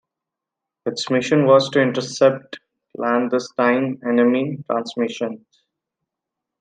Its mission was to intercept clandestine enemy transmissions.